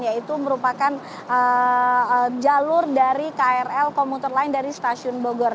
yaitu merupakan jalur dari krl komuter lain dari stasiun bogor